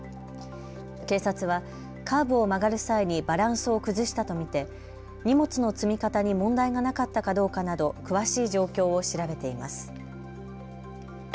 警察はカーブを曲がる際にバランスを崩したと見て荷物の積み方に問題がなかったかどうかなど詳しい状況を調べています。